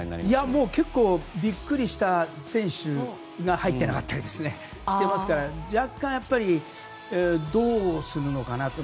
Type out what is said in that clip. もう結構ビックリした選手が入っていなかったりしていますから若干、どうするのかなと。